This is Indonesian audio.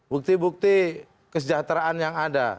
bukti bukti kesejahteraan yang ada